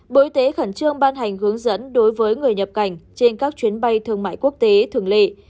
bộ y tế khẩn trương ban hành hướng dẫn đối với người nhập cảnh trên các chuyến bay thương mại quốc tế thường lệ